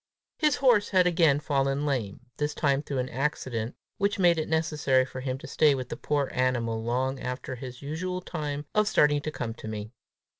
His horse had again fallen lame this time through an accident which made it necessary for him to stay with the poor animal long after his usual time of starting to come to me.